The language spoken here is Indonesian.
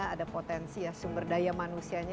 ada potensi ya sumber daya manusianya